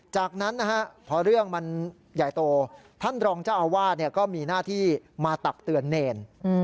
จากนั้นนะฮะพอเรื่องมันใหญ่โตท่านรองเจ้าอาวาสก็มีหน้าที่มาตักเตือนเนร